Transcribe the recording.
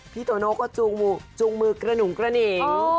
โตโน่ก็จูงมือกระหนุงกระหนิง